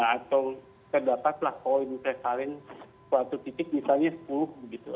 atau terdapatlah koin prevalent suatu titik misalnya sepuluh gitu